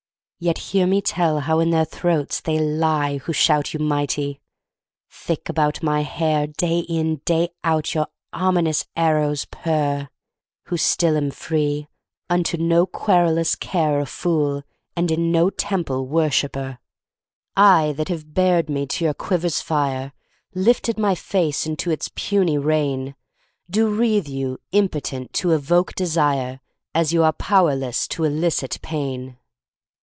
Yet hear me tell how in their throats they lie Who shout you mighty: thick about my hair, Day in, day out, your ominous arrows purr, Who still am free, unto no querulous care A fool, and in no temple worshiper! I, that have bared me to your quiver's fire, Lifted my face into its puny rain, Do wreathe you Impotent to Evoke Desire As you are Powerless to Elicit Pain!